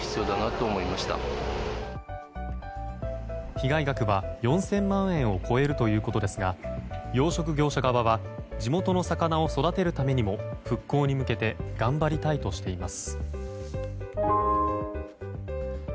被害額は４０００万円を超えるということですが養殖業者側は地元の魚を育てるためにも復興に向けて頑張りたいとしています。